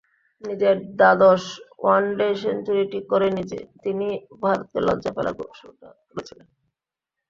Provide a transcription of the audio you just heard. নিজের দ্বাদশ ওয়ানডে সেঞ্চুরিটি করে তিনিই ভারতকে লজ্জায় ফেলার শুরুটা করেছিলেন।